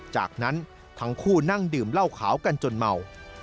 จากนั้นทั้งคู่นั่งดื่มเหล้าขาวกันจนเมา